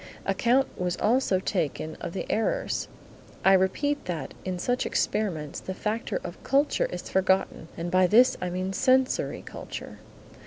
Account was also taken of the errors. I repeat that in such experiments the factor of culture is forgotten and by this I mean sensory culture.